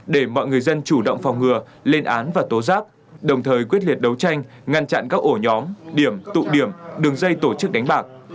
để mọi người dân chủ động phòng ngừa lên án và tố giác đồng thời quyết liệt đấu tranh ngăn chặn các ổ nhóm điểm tụ điểm đường dây tổ chức đánh bạc